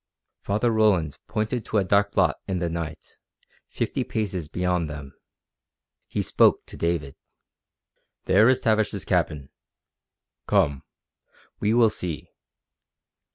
Father Roland pointed to a dark blot in the night, fifty paces beyond them. He spoke to David. "There is Tavish's cabin. Come. We will see."